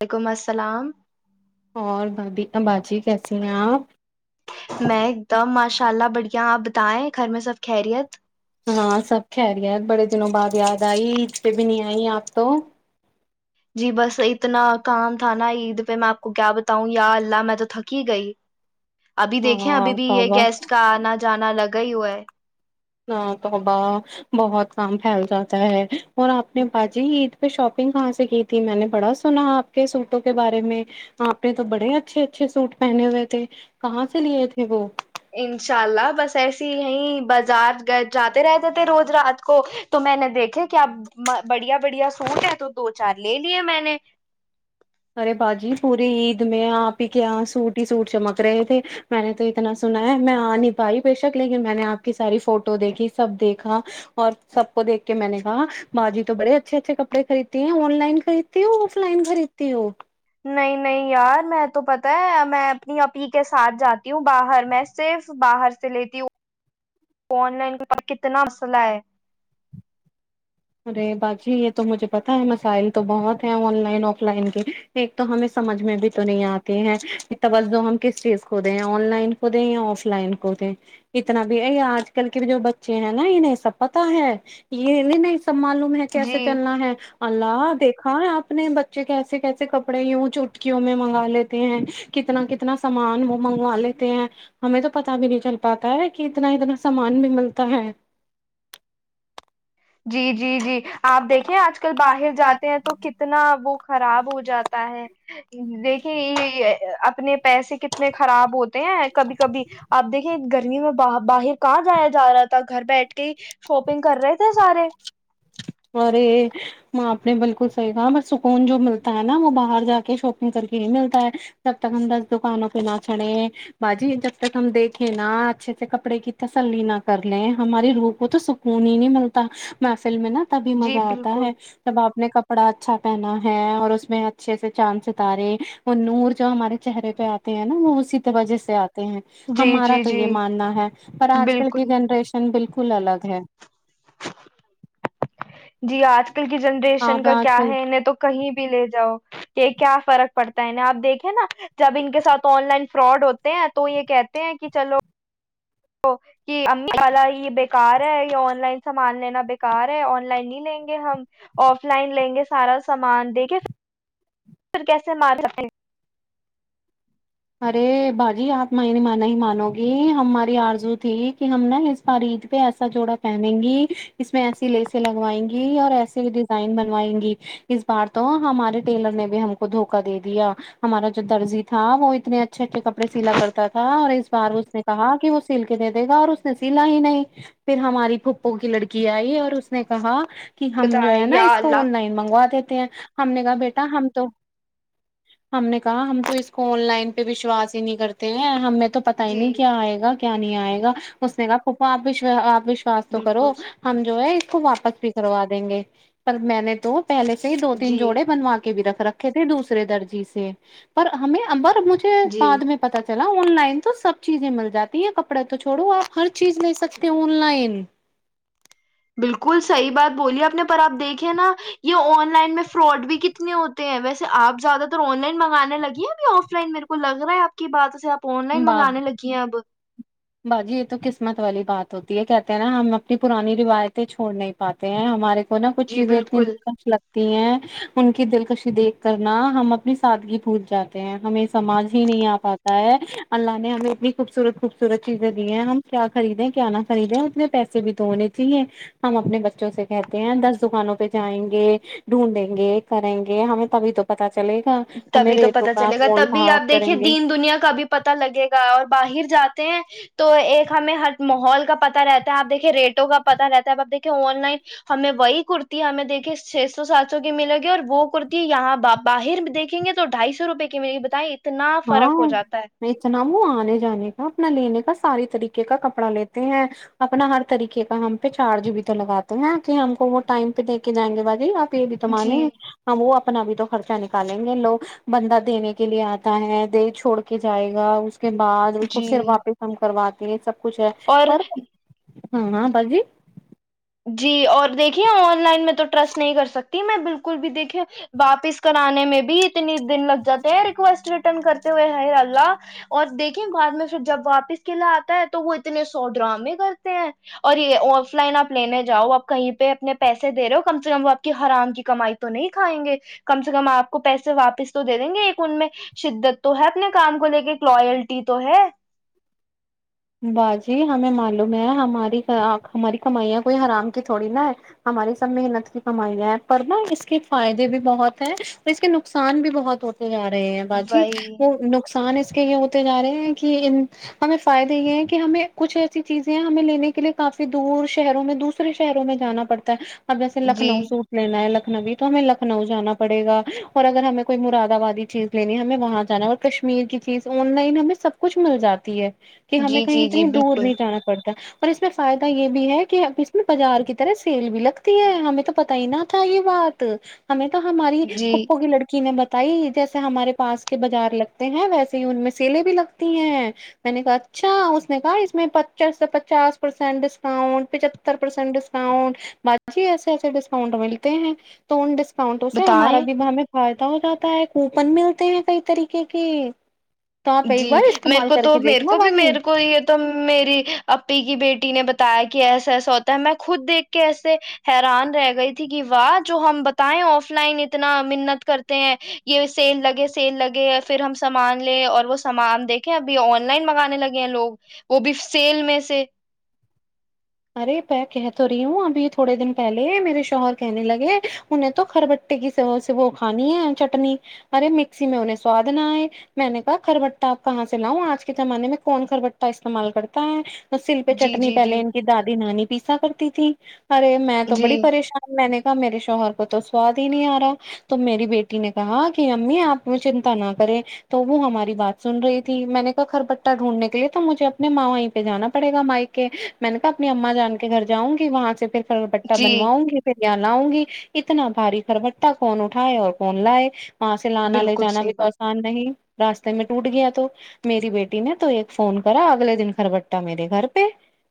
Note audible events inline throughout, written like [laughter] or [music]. وعلیکم السلام اور بادی باجی کیسے ہیں آپ میں ایک دم مش [unintelligible] ان شاء اللہ بڑھیا آپ بتائیں گھر میں سب خیریت ہاں سب کہری ہے بڑے دنوں بعد یاد آئی عید پہ بھی نہیں آئی آپ تو جی بس اتنا کام تھا نا عید پہ میں آپ کو کیا بتاؤں یا اللہ میں تو تھک ہی گئی ابھی دیکھیں ہاں ابھی بھی یہ توبہ گیسٹ کا آنا جانا لگ گئی ہو ہے [unintelligible] نہ توباہ بہت کام پھیل جاتا ہے اور آنے باازی پ شاپنگ کہاں سے کی تھی میں نے بڑا سنا آپ کے سوٹوں کے بارے میں آپ نے تو بڑے اچھے اچھے سوٹ پہنے ہوئے تھے کہاں سے لیے تھے وہ انشاء اللہ بس ایسے ہی بازار جاتے رہتے تھے روز رات کو تو میں نے دیکھے کیا بڑھیا بڑھیا سوٹ ہے تو دو چار لے لیے میں نے ارے باجی پوری عید میں آپ ہی کے یہاں سوٹ ہی سوٹ چمک رہے تھے میں نے تو اتنا سنا ہے میں آ نہیں پائی بے شک لیکن میں نے آپ کی ساری فوٹو دیکھی سب دیکھا اور سب کو دیکھ کے میں نے کہا باجی تو بڑے اچھے اچھے کپڑے خریدتی ہیں آن لائن خریدتی آف لائن خریدتی تیو [unintelligible] نہیں نہیں یار میں تو پتتا ہے میں اپنی اپ ہی کے ساتھ جاتی ہوں باہر میں صرف باہر سے لیتی ہوں آن لائن کتنا مسئلہ ہے ارے باجی یہ تو مجھے پتا ہے مسائل تو بہت ہے آن لائن آف لائن کے ایک تو ہمیں سمجھ میں بھی تو نہیں آتی ہے کہ توج ہم کس چیز کو دیں آن لائن کو دیں یا آف لائن کو دیں اتنا بھی ا آج کل کے جو بچے ہیں نا یہہ سب پتا ہے یہ نہیں سب معلوم ہے کیسے جی چلنا ہے اللہ دیکھ ہاں اپنے بچے کیسے کیسے کپڑے یوں چوٹکیوں میں منگا لیتے ہیں کتنا کتنا سامان وہ منگوا لیتے ہیں ہمیں تو پتا بھی نہیں چل پاتا ہے کہ اتنا اتنا سامان بھی ملتا ہے جی جی [unintelligible] جی جی آپ دیکھیں آج کل باہر جاتے ہیں تو کتنا وہ خراب ہو جاتا ہے دیکھے اپنے پیسے کتنے خراب ہوتے ہیں کبھی کبھی آپ دیکھیں گرمی میں باہر باہر کہاں جایا جا رہا تھا گھر بیٹھ کے شاپنگ کر رہے تھ تھ سارے [unintelligible] ارے میں آپ نے بالکل صحیح کہا ب سکون جو ملتا ہے نا وہ باہر جا کے شاپنگ کر کے ہی ملتا ہے جب تک ہم دس دکانوں پہ نہ چڑھے باجی جب تک ہم دیکھیں نا اچھے سے کپڑے کی تسلی نہ کر لیں ہماری روح کو تو سکون ہی نہیں ملتا محفل میں نا تبھی جی مزہ آتا بالکل ہے جب آپ نے کب بڑا اچھا پہنا ہے اور اس میں اچھے سے چاند ستارے وہ نور جو ہمارے چہرے پہ آتے ہیں نا وہ اس بجے سے آ ہیں جی ہمارا جی تو جی یہ ماننا ہے پر آج کل کی بالکل جنریشن بالکل فل الگ ہے جی آج آج کل کی جنریشن آپ کا آج کیا کل ہے انہیں تو کہیں بھی لے جاؤ یہ کیا فرق پڑتا ہے انہیں آپ دیکھیں نا جب ان کے ساتھ آن لائن فراڈ ہوتے ہیں تو یہ کہتے ہیں کہ چلو تو کہ امی والا یہ بےکار ہے یا آن لائن سامان لینا بےکار ہے آن لائن نہیں لیں گے ہم آف لائن لیں گے سارا سامان دیکھے پھر کیسے مار ارے باجی آپ میں نے نہیں مانو گی ہم ہماری آرزو تھی کہ ہم نا اس بار عید پہ ایسا جوڑا پہنیں گی اس میں ایسی لیسیں لگوائیں گی اور ایسی ڈیزائن بنوائیں گی اس بار تو ہمارے ٹیلر نے بھی ہم کو دھوکا دے دیا ہمارا جو درجی تھا وہ اتنے اچھے اچھے کپڑے سیلا کرتا تھا اور اس بار اس نے کہا کہ وہ سل کے دے دے گا اور اس نے سلا ہی نہیں پھر ہماری پھپھو کی لڑکی آئی اور اس نے کہا کہ ہم جو بتائیں ہے نا یا اس کو اللہ آن لائن منگواے تھ ہیں ہم نے کہا بیٹا ہم تو ہم نے کہا ہم تو اس کو آن لائن پ وشواس ہی نہیں کرتے ہیں ہمیں تو تو پتا ہی جی نہیں کیا آئے گ کہ کیا نہیں آئے گا اس نے کاا پپا آپپ وشوس تو کرو بالکل ہم جو ہے اس کو واپس پ کروا دیں گے پر میں نے تو پہلے سے ہی دو تین جی جوڑے بنوا کے بھی رکھ رکھے تھے دوسرے درجی سے پر ہمیں ارج جی بعد میں پتا چل آن لائن تو سب چیزیں مل جاتی ہیں کپڑے تو چھوڑو آپ ہر چیز لے سکتے آن لائن بالکل صحی بات بولی آپ نے پر آپ دیکھے نا یہ آن لائن میں فراڈ بھی کتنے ہوتے ہیں ویسے آپ زیادہ تر آن لائن منگانے لگی ہیں ابھی آف لائن میرے کو لگ رہا ہے آپ کی بات سے آپ آن لائن باپ منگانے لگی ہیں اب باجی یہ تو قسمت والی بات ہوتی ہے کہتے ہیں نا ہم اپنی پرانی روایتیں چھوڑ نہیں پاتے ہیں ہمارے نا کچھ جی چیزیں اتنی بالکل دلکش لگتی ہیں ان کی دلکش دیکھ کرنا ہم اپنی سادگی پوج جاتے ہیں ہمیں سماج ہی نہیں آ پاتا ہے اللہ نے ہمیں اتنی خوبصورت خوبص صورت چیزیں دی ہیں ہم کیا خریدیں کیا نہ خریدیں اتنے پیسے بھی تو ہونے چاہیے ہم اپنے بچوں سے کہتے ہیں دس دکانوں پہ جائیں گے ڈھونڈیں گے کریں گے ہمیں تبھی تو پتا چلے گا ہمیں تبھی تو ریٹوں پت کا چلے گا مول تبھی بھاؤ آپ کریں دیکھیے گے دین دنیا کا بھی پتا لگے گا اور باہر جاتے ہیں تو ایک ہمیں ہر ماحول کا پتا رہتا ہے آپ دیکھے ریٹوں کا پتا رہتا ہے ا آپ دیکے آن لائن ہمیں وہی کرتی ہمیں دیکے چھ سو سات سو کی ملے گی اور وہ کرتی یہاں باہر دیکیں گے تو ڈھائی سو روپئے کے مجھے بتائی ہاں اتنا ہ آنے جانے کا اپنا لینے کا ساری طریقے کا کپڑا لیتے ہیں اپنا ہر طریقے کا ہم پہ چارجی بھی تو لگاتے ہیں کہ ہم کو وہ ٹائم پہ دے کے جائیں گے باجی آپ پ بھی تومانے جی وہ اپنا بھی تو خرچہ نکالیں گے لوگ بندہ دینے کے لیے آ ہے دل چھوڑ کے جائے گا اس کے بعد اس کو پھر جی واپس ہم کروا یہ [unintelligible] سب کچھ ہے اور پر ہاں ہاں باجی [unintelligible] جی اور دیکھیے لائن میں تو ٹرس نہیں کر سکتی میں بالکل [unintelligible] بھی دیکھے واپس کرانے میں بھی اتنے دن لگ جاتے ہیں ریکویسٹ ریٹرن کرتے ہوئے ہے اللہ اور دیکھیں بعد میں پھر جب واپس کےلا آتا ہے تو وہ اتنے سودرا میں کرتے ہیں اور یہ آف لائن آپ لینے جاؤ آپ کہیں پہ اپنے پیسے دے رہے ہو کم سے کم وہ آپ کی حرام کی کمائی تو نہیں کھائیں گے کم سے کم آپ کو پیسے واپس تو دے دیں گے ایک ان میں شدت تو ہے اپنے کام کو لے کے ایک لوئلٹی تو ہے باجی ہمیں معلوم ہے ہماری ہماری کمائیاں کوئی حرام کی تھوڑی نا ہے ہماری سب محنت کی کمائیاں ہیں پر نہا اس کے فائدے بھی بہت ہیں اور اس کے نقصان بھی بہت ہوتے [unintelligible] جا رہے ہیں باجی وہی وہ نقصان [unintelligible] یہ ہوتے جا رہے ہیں کہ ہمیں فائدہ [unintelligible] یہ ہے کہ ہمیں کچھ ایسی چیزیں ہمیں لینے کے لیے کافی دور شہروں میں دوسرے شہروں میں جانا پڑتا ہے [unintelligible] اب سے لکھنؤ جی سوٹ لین ہے ل [unintelligible] لکھنوی تو ہمیں لکھنؤ جانا پڑے گا اور اگر ہمیں کوئی مرادبادی چیز لینی ہمیں وہاں جانا ہے اور کشمیر کی چیز آن لائن ہمیں سب کچھ مل جاتی ہے [unintelligible] کہ ہمیں جی کہیں جی جی اتنی دور بالکل نہیں جانا پڑتا اور اس میں فائدہ یہ بھی ہے کہ اس میں بازار کی طرح سیل بھی لگتی ہے ہمیں تو پت ہی نہ تھا یہ بات ہمیں ہماری جی خپو کی لڑکی نے ب تائی جیسے ہمارے پاس کے بازار لگتے ہیں ویسے ہی ان میں سیلیں بھی لگتی ہیں میں نے کہا [unintelligible] اچھا اس نے کہا اس میں پچ پچاس پرسینٹ ڈسکاؤنٹ پچتر پرسینٹ ڈسکاؤنٹ با جی ایسے ایسے ڈسکاؤنٹ ملتے ہیں تو ان ڈ [unintelligible] اسکاؤنٹوں سے ہمارا بتائیں بھی ہم پ ہو جاتا ہے کوپن ملتے ہیں کئی طریقے کے [unintelligible] تو آپ جی ایک بار میرے استعمال کو کر کے تو میرے دیکناا کو بھی ب [unintelligible] میرے کو یہ تو میری اپی کی بیٹی نے بتایا کہ کہ ایسا ایسا ہوتا ہے میں خود دیکھ کے ایسے حیران رہ گئی تھی کہ واہ جو ہم بتائیں آف لائن اتنا منت کرتے ہیں یہ سیل لگے سیل لگے پھر ہم سامان لے اور وہ سامان دیکھے ابھی آن لائن منگانے لگے ہیں لوگ وہ بھی سیل میں سے ارے پ کہ تو رہی ہوں ابھی تھوڑے دن پہلے میرے شوہر کہنے لگے انہیں تو کرربٹے کی سے وہ کھانی ہے چٹنی ارے مکسی میں انہیں سواد نہ آئے میں نے کہا کربٹہ آپ کہاں سے لاؤں آج کے زمانے میں کون کرربٹا استعمال کرتا ہے سل پہ جی چٹنی جی پہل جی [unintelligible] دادی نانی پیسا کرتی تھی [unintelligible] ارے میں تو جی بڑی پریشان میں نے میرے شوہر کو تو سواد ہی نہیں آ رہا تو میری بیٹی نے کہا کہ امی آپ چنتا نہ کرے تو وہ ہماری بات سن رہی تھی میں نے کہا کررپٹہ ڈھونڈنے کے لیے تو مجھے اپنے ماںیں پہ جانا پڑے گا مائک کے [unintelligible] میں نے کہا اپنی اما جان کے گھر جؤں گی وہاں سے پھر ف بٹا جی بنواؤ گے پھر یہاں [unintelligible] لؤں گی اتنا بھاری کربٹہ کون اٹھائے اور کون لائے [unintelligible] وہاں سے لانا لے بالکل جانا صحیح بھی بات تو آسان نہیں [unintelligible] راستے میں ٹوٹ گیا تو میری بیٹی نے تو ایک فون کرا اگلے دن خربٹا میرے گھر پہ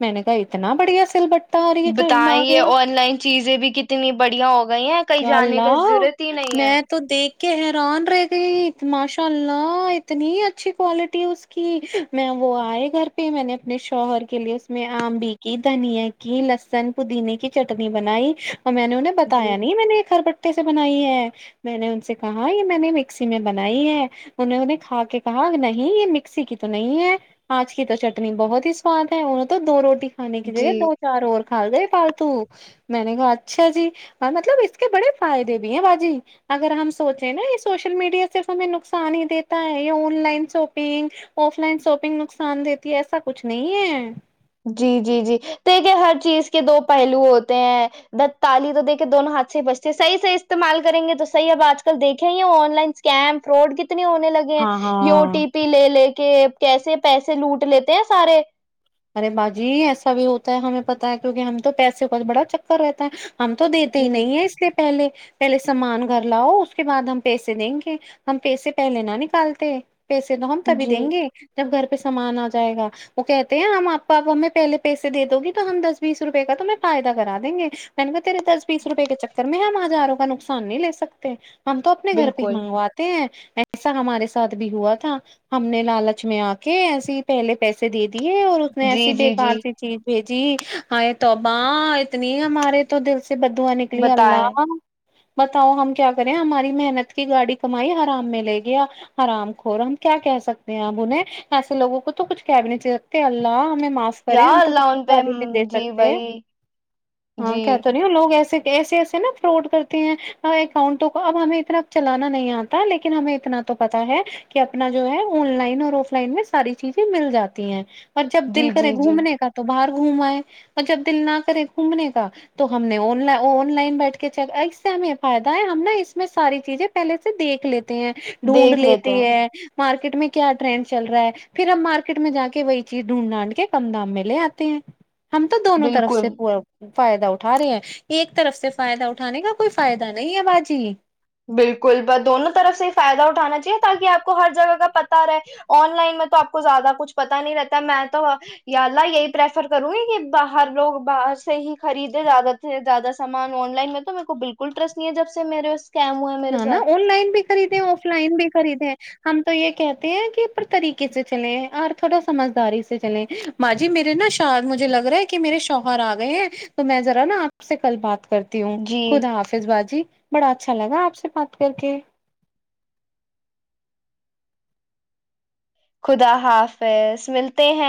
میں نے کہا اتنا بڑھیا سلبٹ بتائیں یہ آن لائن چیزیں بھی کتنی بڑھیا ہو گئی ہیں کہیں یا جانے کا ضرورت ہی نہیں ہے کہ حیران رہ گئی ماشاء اللہ اتنی اچھی کوالٹی اس کی میں وہ آئے گھر پہ میں نے اپنے شوہر کے لیے [unintelligible] میں آمبی کی دھنیا کی لسن پودینے کی چٹنی بنائی [unintelligible] اور میں نے انہ نے جی بتایا نہیں میں نے ایک خھر پ [unintelligible] سے بنائی ہے میں نے ان سے کہا یہ میں نے مکسی میں بنائی ہے انہیں انہیں کھا کے کہا نہیں یہ مکسی کی تو نہیں ہے آج کی تو چٹنی بہت ہی سواد ہے انوں [unintelligible] تو دو روٹی [unintelligible] کھان کی جی جگہ دو چار اور [unintelligible] کھا گئے فالتو میں نے کہا اچھا جی اور مطلب اس کے بڑے فائدے بھی ہیں باجی اگر ہم سوچے نا یہ سوشل میڈیا صرف ہمیں نقصان ہی دیتا ہے یہ online shopping offline shopping نقصان دیتی ہے ایسا کچھ نہیں ہے [unintelligible] جی جی جی دیکھے ہر چیز کے دو پہلو ہوتے ہیں دتالی تو دیکھے دونوں ہاتھ سے بچتے ہیں صحیح سےح استعمال کریں گے تو صحیح اب آج کل دیکھیں ہی آن لائن اسکیم فراڈ کی [unintelligible] ن ہونے لگے ہیں ہاں یو ہاں ٹی پی لے لے کے [unintelligible] کہ کیسے پیسے لوٹ لیتے ہیں سارے [unintelligible] ارے باجی ایسا بھی ہوتا ہے ہمیں پتہ ہے کیونکہ ہم تو پیسے کو بڑا چکر رہتا ہے [unintelligible] ہم تو دیتے ہی جی نہیں ہیں اس سے پہلے [unintelligible] پہلے سامان گھر لاؤ اس کے بعد ہم پیسے دیں گے ہم پیسے پہلے نہ نکالتے [unintelligible] پیسے تو ہم تبھی جی دیں گے جب گھر [unintelligible] پہ سامان آ جائے گا وہ کہتے [unintelligible] ہم آپپ ہمیں پہے پیسے دے دو گی تو ہم دس بیس روپئے کا تو میں فائدہ کرا دیں گے میں نے کہا تیرے دس بیس روپے کے چکر میں ہم ہزاروں کا نقصان نہیں ل سکتے [unintelligible] ہم تو اپنے گھر پہ ہی بالکل منگواتے ہیں [unintelligible] ایسا ہمارے ساتھ بھی ہوا تھا ہم نے لالچ میں آ کے ایسے ہی پہلے پیسے دے ہے اور اس نے جی ایسی بے جی کار جی سی چیز بھیج دی جی ہ توباں اتنی ہمارے تو دل سے سے بدو نکل بتائیں اللہ بتاؤ ہم کیا کریں ہماری محنت کی گاڑی کمائی آرام میں لے گییا آرام کور ہم کیا کہ سکتے ہیں اپ انہیں ایسے لوگوں کو تو کچھ کیا بھی نہیں اللہ ہم معاف کریں یا ہم تو اللہ کسی ان پہ ہم، شادی بھی دے جی سکتے ہیں وہی ہاں جی کہ تو نہیں لوگ ایسے ایسے ایسے نا فراڈ کرتے ہیں اکاؤنٹوں کو اب ہمیں اتنا چلانا نہیں آتا لیکن ہمیں اتنا تو پتا ہے کہ اپنا جو ہے آن لائن اور آف لائن میں ساری چیزیں مل جاتی ہیں اور جب دل جی کرے جی جی گھومنے کا تو باہر گھمائے اور جب دل نہ کرے گھومنے کا تو ہم نے آن لائن بیٹھ کے چ اس سے ہمیں فائد ہے ہم نا اس میں ساری چیزیں پہلے سے دھ لیتے ہیں ڈھونڈ لیتے ہیں مارکیٹ میں کیا ٹرینڈ چل رہا ہے پھر ا ہم مارکیٹ میں جا کے وہی یز ڈھونڈ ڈھانڈ کے کم دام میں لے آتے ہیں ہم تو دونوں طرف بالکل سےا فائدہ اٹھا رہے ہیں ایک طرف سے فائدہ اٹھانے کا کوئی فائدہ نہیں ہے باجی بالکل ب دونوں طرف سے ہی فائدہ اٹھانا چاہیے تاکہ آپ کو ہر جگہ کا پتا رہے آن لائن میں تو آپ کو زیادہ کچھ پتا نہیں رہتا میں تو یا اللہ یہی پرریفر کروں گی کہ باہر لوگ باہر سے ہی خریدے زیادہ سے زیادہ سامان آن لائن میں تو میرے کو بالکل رسٹ نہیں ہے جب سے میرے اسکیم ہوئے میرے نا نا ساتھ آن لائن بھی خریدیں آف لائن بھی خریدے ہم تو یہ کہتے ہیں کہپر طریقے سے چلے ہیں اور تھوڑا سمجھداری سے چلیں ما جی میرے نا شر مجھے لگ رہا ہے کہ میرے شوہر آ گئے ہیں تو میں ذرا نا آپ سے کل بات کرتی ہوں جی خدا حافظ باجی بڑا اچھا لگا آپ سے بات کر کے خدا حافظ ملتے ہیں